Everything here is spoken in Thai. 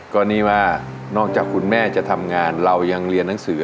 ก็นี่ว่านอกจากคุณแม่จะทำงานเรายังเรียนหนังสือ